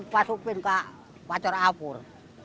pasupin ke pacar apur